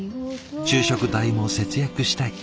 昼食代も節約したい。